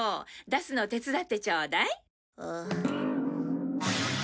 出すの手伝ってちょうだい。